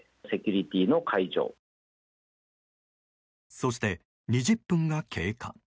そして、２０分が経過。